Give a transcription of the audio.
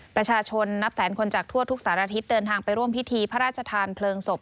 ประชาชนนับแสนคนจากทั่วทุกสารทิศเดินทางไปร่วมพิธีพระราชทานเพลิงศพ